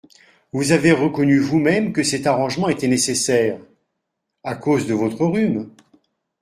Vous avez reconnu vous-même que cet arrangement était nécessaire… à cause de votre rhume…